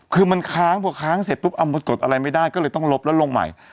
คือมันค้างพอค้างเสร็จปุ๊บเอามันกดอะไรไม่ได้ก็เลยต้องลบแล้วลงใหม่